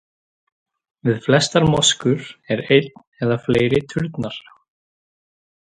Við flestar moskur er einn eða fleiri turnar.